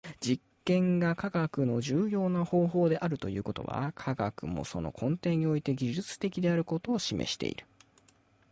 実験が科学の重要な方法であるということは、科学もその根底において技術的であることを示している。